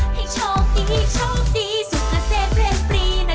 ให้ช่องดีช่องดีสูงเทศเรียนปรีนะ